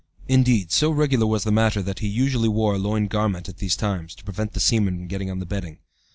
Indeed, so regular was the matter that he usually wore a loin garment at these times, to prevent the semen getting on the bedding.